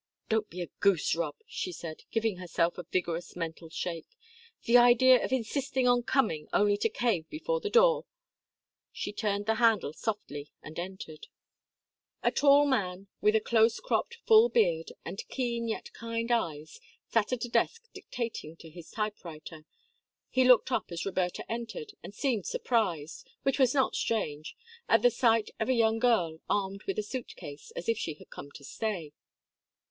"Don't be a goose, Rob," she said, giving herself a vigorous mental shake. "The idea of insisting on coming, only to cave before the door!" She turned the handle softly and entered. A tall man, with a close cropped, full beard, and keen yet kind eyes, sat at a desk dictating to his typewriter; he looked up as Roberta entered, and seemed surprised which was not strange at the sight of a young girl armed with a suit case, as if she had come to stay.